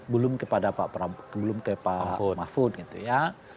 belum ke pak mahfud gitu ya